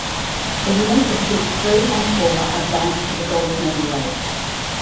The winners of heats three and four advanced to the gold medal race.